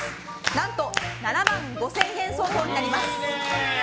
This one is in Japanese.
何と７万５０００円相当になります。